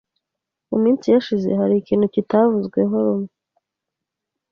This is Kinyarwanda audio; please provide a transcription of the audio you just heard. Mu minsi yashize harikintu kitavuzweho rumwe